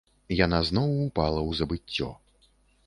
Яна зноў упала ў забыццё.